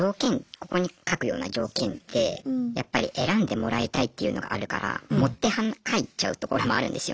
ここに書くような条件ってやっぱり選んでもらいたいっていうのがあるから盛って書いちゃうところもあるんですよね。